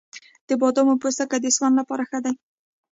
د بادامو پوستکی د سون لپاره ښه دی؟